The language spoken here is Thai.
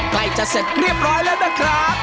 ใกล้จะเสร็จเรียบร้อยแล้วนะครับ